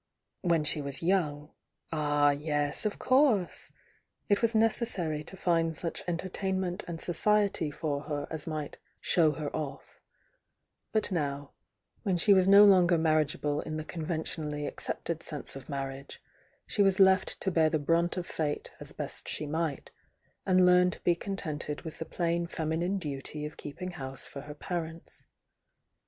When she was young — ah yes, of course! — it was necessary to find such entertain ment and society for her as might "show her off," —but now, when she was no longer marriageable in the conventionally accepted sense of marriage, she was left to bear the brunt of fate as best she might, and learn to be contented with the plain feminine duty of keeping house for her parents.